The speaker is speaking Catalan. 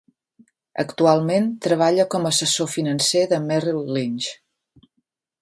Actualment treballa com a assessor financer de Merrill Lynch.